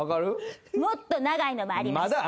もっと長いのもあります！